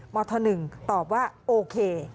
มธหนึ่งตอบว่าโอเค